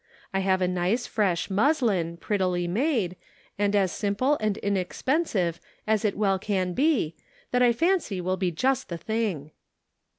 I have a nice fresh muslin, prettily made, and as simple and inexpensive as it well can be, that I fancy will be just the thing."